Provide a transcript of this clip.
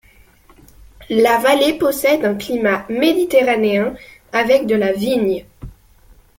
La vallée possède un Climat méditerranéen avec de la vigne.